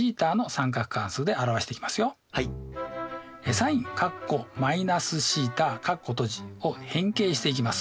ｓｉｎを変形していきます。